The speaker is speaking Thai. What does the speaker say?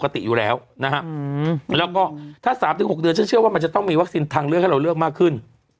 สินทางเลือกให้เราเลือกมากขึ้น